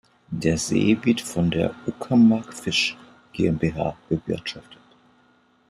Der See wird von der Uckermark-Fisch GmbH bewirtschaftet.